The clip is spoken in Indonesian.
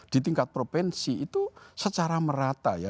di tingkat provinsi itu secara merata ya